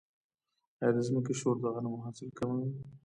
آیا د ځمکې شور د غنمو حاصل کموي؟